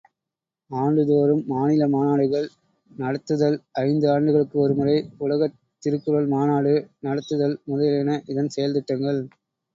ஆண்டுதோறும் மாநில மாநாடுகள் நடத்துதல், ஐந்து ஆண்டுகளுக்கு ஒருமுறை உலகத் திருக்குறள் மாநாடு நடத்துதல் முதலியன இதன் செயல்திட்டங்கள்.